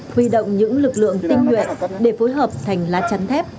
huy động những lực lượng tinh nhuệ để phối hợp thành lá chắn thép